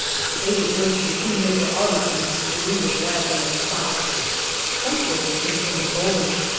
They were bursting too near for our liking, and we were glad when they stopped. Some say they came from the Goeben.